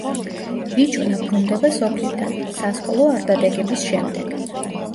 ბიჭუნა ბრუნდება სოფლიდან, სასკოლო არდადეგების შემდეგ.